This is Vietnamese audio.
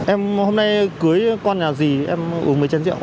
em hôm nay cưới con nhà gì em uống mấy chén rượu